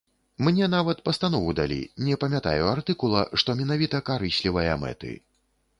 Мне нават пастанову далі, не памятаю артыкула, што менавіта карыслівыя мэты.